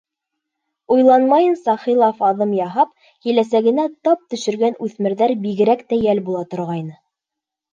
Уйланмайынса хилаф аҙым яһап, киләсәгенә тап төшөргән үҫмерҙәр бигерәк тә йәл була торғайны.